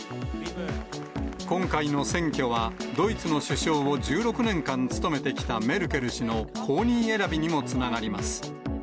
今回の選挙は、ドイツの首相を１６年間務めてきたメルケル氏の後任選びにもつながります。